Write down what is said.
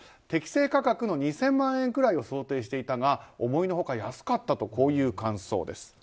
適正価格の２０００万円くらいを想定していたが、思いの外安かったという感想です。